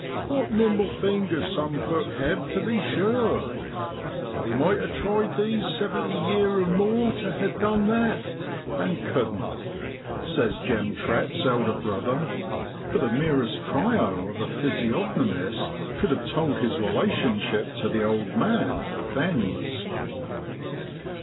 W T hat nimble fingers some folk hev, tu be sure ! I might ha' tried these seventy yeer an' more to ha' done that, an' cudden't,' says Jem Trett's elder brother, for the merest tyro of a physiogno mist could have told his relationship to the old man of the fens.